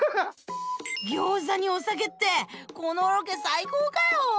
餃子にお酒ってこのロケ最高かよ！